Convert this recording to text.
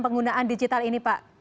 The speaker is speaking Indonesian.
penggunaan digital ini pak